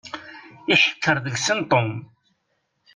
Iḥekker deg-sen Tom.